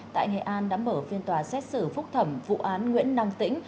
tại nghệ an đã mở phiên tòa xét xử phúc thẩm vụ án nguyễn năng tĩnh